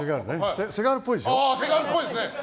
セガールっぽいでしょ。